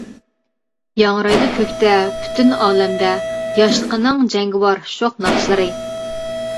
ياڭرايدۇ كۆكتە، پۈتۈن ئالەمدە، ياشلىقىنىڭ جەڭگىۋار شوخ ناخشىلىرى.